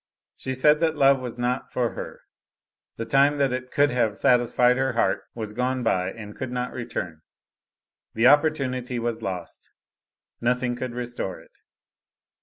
She said that love was not for her the time that it could have satisfied her heart was gone by and could not return; the opportunity was lost, nothing could restore it.